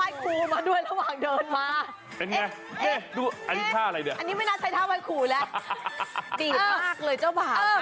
สวัสดีครับ